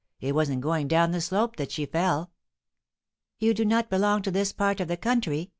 It was in going down the slope that she fell." "You do not belong to this part of the country?"